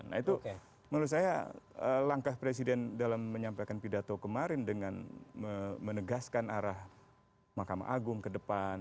nah itu menurut saya langkah presiden dalam menyampaikan pidato kemarin dengan menegaskan arah mahkamah agung ke depan